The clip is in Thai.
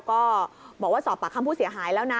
ก็บอกว่าสอบปากคำผู้เสียหายแล้วนะ